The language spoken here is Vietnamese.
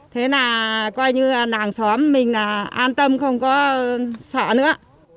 thế là coi như làng xóm mình là an tâm không có sợ nữa